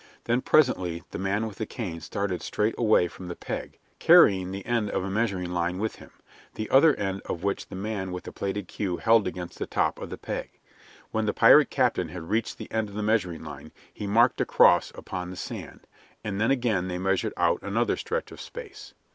Then presently the man with the cane started straight away from the peg, carrying the end of a measuring line with him, the other end of which the man with the plaited queue held against the top of the peg. When the pirate captain had reached the end of the measuring line he marked a cross upon the sand, and then again they measured out another stretch of space.